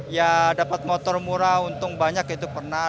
ya dapat motor murah untung banyak itu pernah